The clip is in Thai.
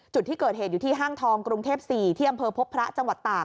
จุดที่เกิดเหตุอยู่ที่ห้างทองกรุงเทพ๔ที่อำเภอพบพระจังหวัดตาก